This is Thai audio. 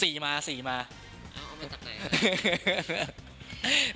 เอามาจากไหนกัน